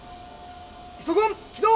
イソコン起動！